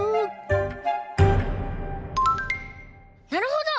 なるほど！